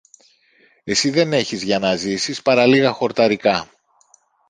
Εσύ δεν έχεις για να ζήσεις παρά λίγα χορταρικά